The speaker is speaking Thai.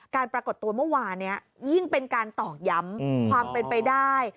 ปรากฏตัวเมื่อวานนี้ยิ่งเป็นการตอกย้ำความเป็นไปได้